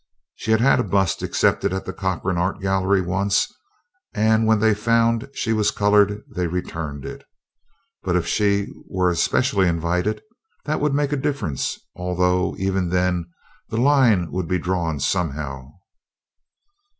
She had had a bust accepted by the Corcoran Art Gallery once, and when they found she was colored they returned it. But if she were especially invited? That would make a difference, although even then the line would be drawn somehow.